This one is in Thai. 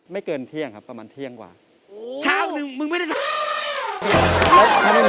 ไม่เกินเที่ยงครับประมาณเที่ยงกว่าโอ้โหช้าวนึงมึงไม่ได้แล้วถ้าไม่มีอะไร